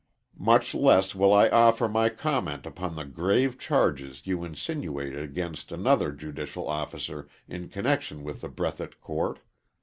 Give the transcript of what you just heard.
Much less will I offer my comment upon the grave charges you insinuate against another judicial officer in connection with the Breathitt court.